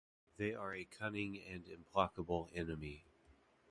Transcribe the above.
They are a cunning and implacable enemy.